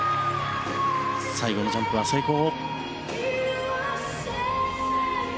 最後のジャンプは成功。